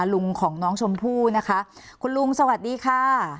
ลุงของน้องชมพู่นะคะคุณลุงสวัสดีค่ะ